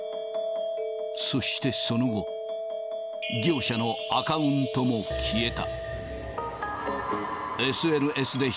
そしてその後、業者のアカウントも消えた。